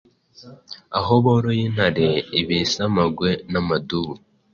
aho boroye intare, ibisamagwe n’amadubu